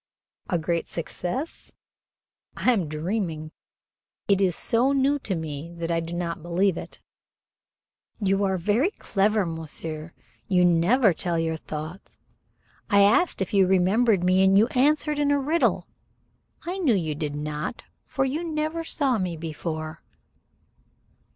"A great success? I am dreaming. It is so new to me that I do not believe it." "You are very clever, monsieur. You never tell your thoughts. I asked if you remembered me and you answered in a riddle. I knew you did not, for you never saw me before."